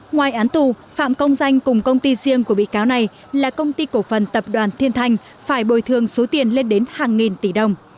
ngoài án tù phạm công danh cùng công ty riêng của bị cáo này là công ty cổ phần tập đoàn thiên thành phải bồi thường số tiền lên đến hàng nghìn tỷ đồng